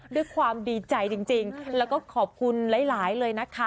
ด้วยความดีใจจริงแล้วก็ขอบคุณหลายเลยนะคะ